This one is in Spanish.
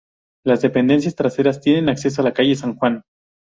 Las dependencias traseras tienen acceso a la calle San Juan.